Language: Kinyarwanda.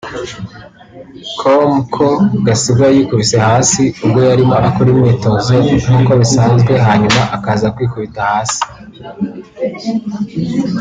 com ko Gasigwa yikubise hasi ubwo yarimo akora imyitozo nk’ uko bisanzwe hanyuma akaza kwikubita hasi